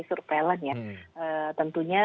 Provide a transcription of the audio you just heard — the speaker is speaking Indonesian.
surveillance ya tentunya